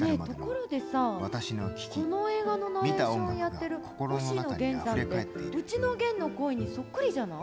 この映画のナレーションやってる星野源さんってうちの源の声にそっくりじゃない？